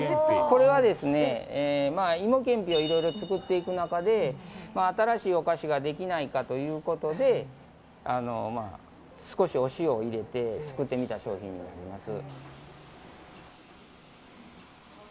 これは、芋けんぴをいろいろ作っていく中で新しいお菓子ができないかということで少しお塩を入れて作ってみた商品になります。